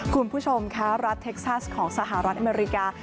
คุณผู้ชมคะรัฐเท็กซัสของสหรัฐอเมริกา